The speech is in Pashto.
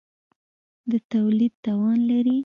د تولید توان لري.